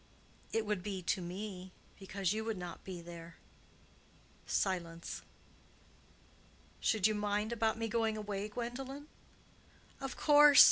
"It would be to me, because you would not be there." Silence. "Should you mind about me going away, Gwendolen?" "Of course.